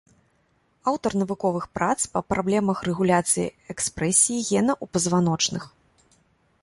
Аўтар навуковых прац па праблемах рэгуляцыі экспрэсіі гена ў пазваночных.